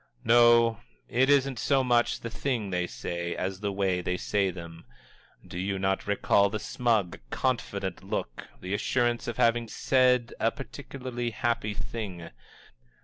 No, it Isn't so much the things they say, as the way they say them! Do you not recall the smug, confident look, the assurance of having said a particularly happy thing?